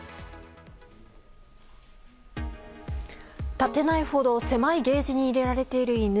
立てないほど狭いケージに入れられている犬。